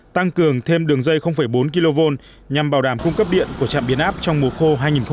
tăng cường thêm đường dây bốn kv nhằm bảo đảm cung cấp điện của trạm biến áp trong mùa khô hai nghìn hai mươi